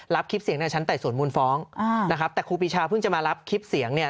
คลิปเสียงในชั้นไต่สวนมูลฟ้องนะครับแต่ครูปีชาเพิ่งจะมารับคลิปเสียงเนี่ย